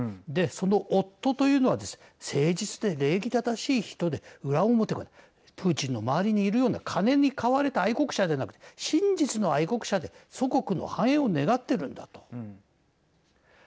その夫というのが誠実で礼儀正しい人で裏表がないプーチンの周りにいるような金に買われた愛国者でなく真実の愛国者で祖国の繁栄を願っているんだと。